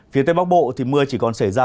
phía tây bắc bộ thì mưa chỉ còn xảy ra